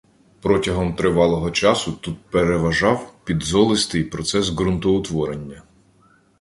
Протягом тривалого часу тут переважав підзолистий процес ґрунтоутворення.